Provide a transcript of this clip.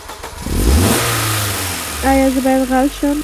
ایا زه باید غل شم؟